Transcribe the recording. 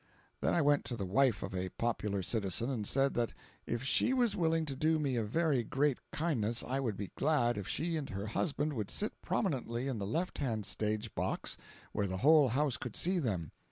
Then I went to the wife of a popular citizen, and said that if she was willing to do me a very great kindness, I would be glad if she and her husband would sit prominently in the left hand stage box, where the whole house could see them.